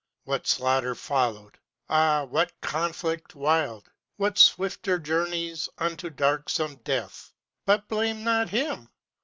What slaughter followed! Ah! what conflict wild! What swifter journeys unto darksome death! But blame not him!